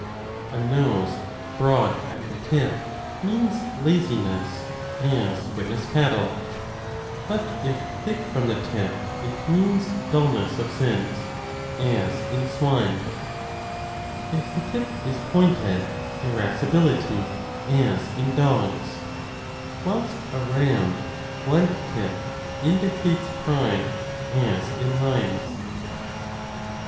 A nose broad 4 at the tip means laziness, as witness cattle : but if thick from the tip, it means dullness of sense, as in 30 swine ; if the tip is pointed, irascibility, as in dogs ; whilst a round, blunt tip indicates pride, as in lions.